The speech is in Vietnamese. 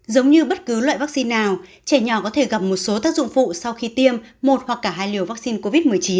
giống như bất cứ loại vaccine nào trẻ nhỏ có thể gặp một số tác dụng phụ sau khi tiêm một hoặc cả hai liều vaccine covid một mươi chín